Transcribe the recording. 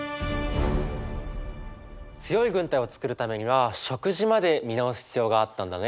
強い軍隊を作るためには食事まで見直す必要があったんだね。